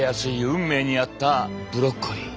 運命にあったブロッコリー。